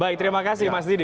baik terima kasih mas didi